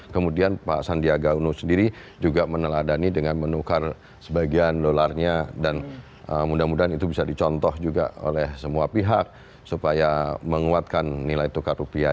kemudian pak sandiaga uno sendiri juga meneladani dengan menukar sebagian dolarnya dan mudah mudahan itu bisa dicontoh juga oleh semua pihak supaya menguatkan nilai tukar rupiah